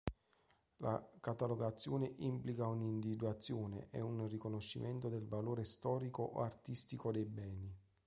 La catalogazione implica un'individuazione ed un riconoscimento del valore storico o artistico dei beni.